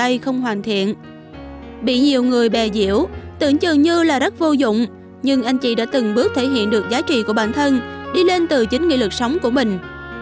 có thể khẳng định được giá trị bản thân của mình